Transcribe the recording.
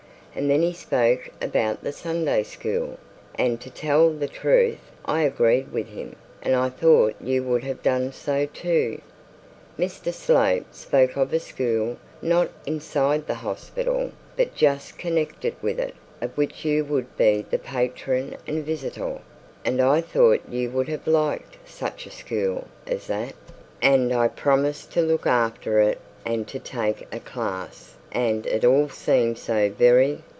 And then he spoke about the Sunday school; and to tell the truth I agreed with him; and I thought you would have done so too. Mr Slope spoke of a school, not inside the hospital, but just connected with it, of which you would be the patron and visitor; and I thought you would have liked such a school as that; and I promised to look after it and to take a class and it all seemed so very